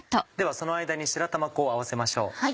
その間に白玉粉を合わせましょう。